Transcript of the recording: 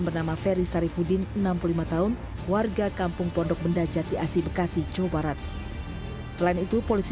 karena posisi ditemukan di dekat tol